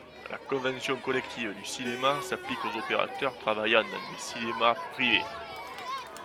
La convention collective du cinéma s'applique aux opérateurs travaillant dans des cinémas privés.